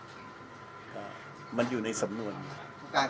ในกลุ่มนี้น่าจะมีมีต้องมาสอบเพิ่มหรือว่าไง